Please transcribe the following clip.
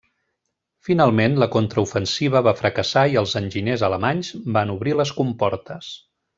Finalment la contraofensiva va fracassar, i els enginyers alemanys van obrir les comportes.